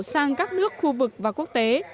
sang các nước khu vực và quốc tế